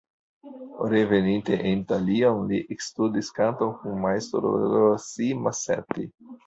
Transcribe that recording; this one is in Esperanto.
Reveninte en Italion li ekstudis kanton kun Majstro Rossi-Masetti.